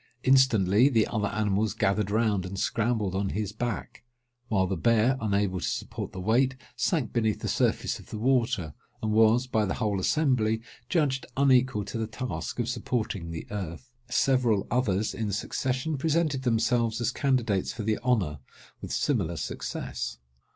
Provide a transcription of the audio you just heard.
Instantly the other animals gathered round and scrambled on his back; while the bear, unable to support the weight, sank beneath the surface of the water, and was, by the whole assembly, judged unequal to the task of supporting the earth. Several others in succession presented themselves as candidates for the honour, with similar success.